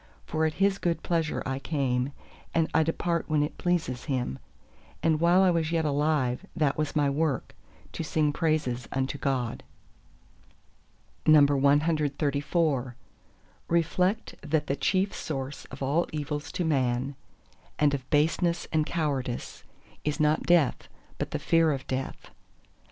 For at His good pleasure I came; and I depart when it pleases Him; and while I was yet alive that was my work, to sing praises unto God! CXXXV Reflect that the chief source of all evils to Man, and of baseness and cowardice, is not death, but the fear of death.